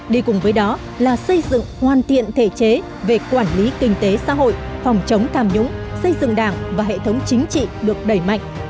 đi cùng với đó là xây dựng hoàn thiện thể chế về quản lý kinh tế xã hội phòng chống tham nhũng xây dựng đảng và hệ thống chính trị được đẩy mạnh